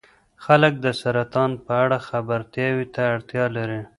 خلک د سرطان په اړه خبرتیا ته اړتیا لري.